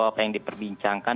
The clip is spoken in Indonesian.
apa yang diperbincangkan